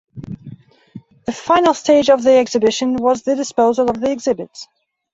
The final stage of the Exhibition was the disposal of the exhibits.